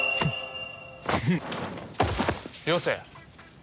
よせ。